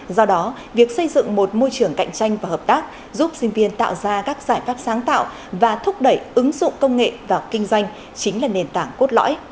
do đó việc xây dựng một môi trường cạnh tranh và hợp tác giúp sinh viên tạo ra các giải pháp sáng tạo và thúc đẩy ứng dụng công nghệ vào kinh doanh chính là nền tảng cốt lõi